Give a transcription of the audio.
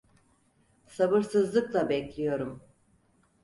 Sabırsızlıkla bekliyorum.